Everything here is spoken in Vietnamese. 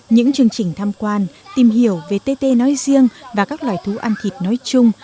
những chương trình tham quan tìm hiểu về tt nói riêng và các loài thú ăn thịt nói chung